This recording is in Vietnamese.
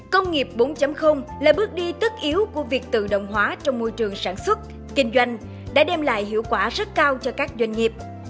công nghiệp bốn là bước đi tất yếu của việc tự động hóa trong môi trường sản xuất kinh doanh đã đem lại hiệu quả rất cao cho các doanh nghiệp